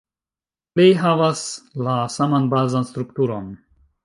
Plej havas la saman bazan strukturon.